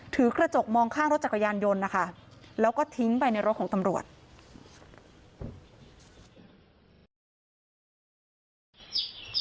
ถือกระจกมองข้างรถจักรยานยนต์นะคะแล้วก็ทิ้งไปในรถของตำรวจ